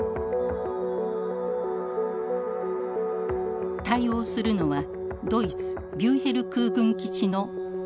対応するのはドイツビューヘル空軍基地のトルネード。